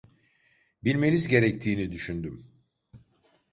Bilmeniz gerektiğini düşündüm.